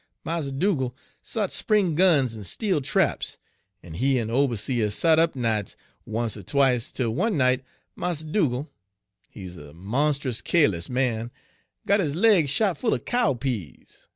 Mars Dugal' sot spring guns en steel traps, en he en de oberseah sot up nights once't er twice't, tel one night Mars Dugal' he 'uz a monst'us keerless man got his leg shot full er cow peas.